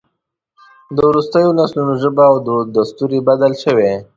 د وروستیو نسلونو ژبه او دود دستور یې بدل شوی.